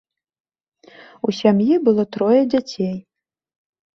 У сям'і было трое дзяцей.